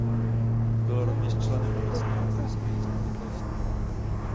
Byl rovněž členem obecního a okresního zastupitelstva.